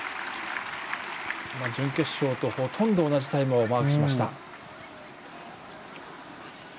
準決勝とほとんど同じタイムをマークしました。